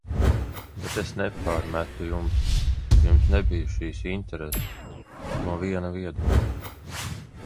Bet es nepārmetu jums, ka jums nebija šīs intereses, no viena viedokļa.